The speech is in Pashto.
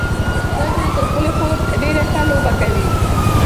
دا نجلۍ تر خپلې خور ډېره ښه لوبه کوي.